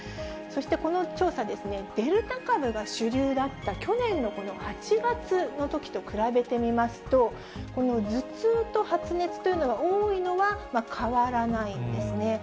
そしてこの調査ですね、デルタ株が主流だった去年のこの８月のときと比べてみますと、この頭痛と発熱というのが多いのは、変わらないんですね。